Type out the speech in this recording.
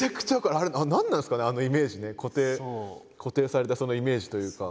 あれ何なんですかねあのイメージね固定されたそのイメージというか。